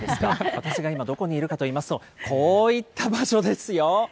私が今、どこにいるかといいますと、こういった場所ですよ。